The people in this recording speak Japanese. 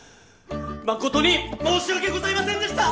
誠に申し訳ございませんでした！